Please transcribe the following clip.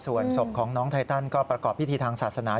ส่วนศพของน้องไทตันก็ประกอบพิธีทางศาสนา